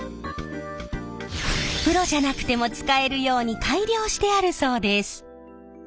プロじゃなくても使えるように改良してあるそうです。